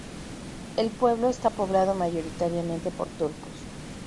El pueblo está poblado mayoritariamente por turcos.